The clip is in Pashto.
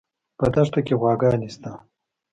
په دښته کې غواګانې شته